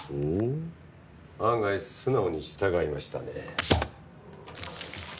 ほう案外素直に従いましたね。